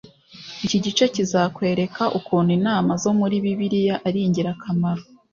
Iki gice kizakwereka ukuntu inama zo muri Bibiliya ari ingirakamaro